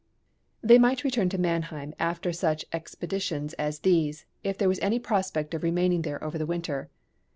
They might return to Mannheim after such expeditions as these, if there was any prospect of remaining there over the winter.